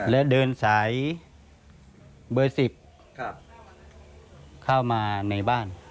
แล้วเดินสายเบอร์๑๐เข้ามาในบ้าน